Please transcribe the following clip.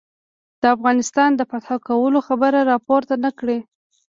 د افغانستان د فتح کولو خبره را پورته نه کړي.